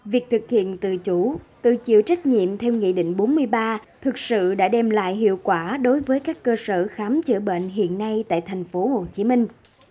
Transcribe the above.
việc thực hiện tự chủ tự chịu trách nhiệm theo nghị định bốn mươi ba thực sự đã đem lại hiệu quả đối với các cơ sở khám chữa bệnh hiện nay tại thành phố hồ chí minh